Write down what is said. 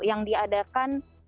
yang diadakan sehari hari